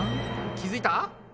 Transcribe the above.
気付いた？